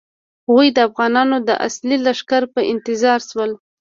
هغوی د افغانانو د اصلي لښکر په انتظار شول.